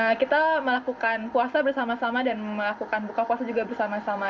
nah kita melakukan puasa bersama sama dan melakukan buka puasa juga bersama sama